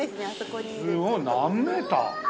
すごい何メーター？